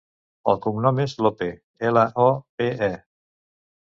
El cognom és Lope: ela, o, pe, e.